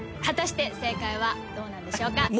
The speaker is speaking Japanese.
果たして正解はどうなんでしょうか？